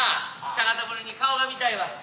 久方ぶりに顔が見たいわ。